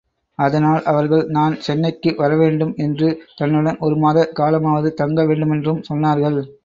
அதனால் அவர்கள் நான் சென்னைக்கு வரவேண்டும் என்றும் தன்னுடன் ஒரு மாத காலமாவது தங்க வேண்டுமென்றும் சொன்னார்கள்.